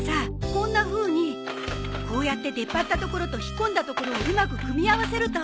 こんなふうにこうやって出っぱったところと引っ込んだところをうまく組み合わせると。